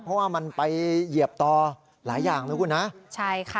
เพราะว่ามันไปเหยียบต่อหลายอย่างนะคุณฮะใช่ค่ะ